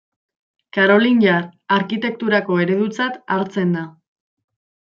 Karolingiar arkitekturako eredutzat hartzen da.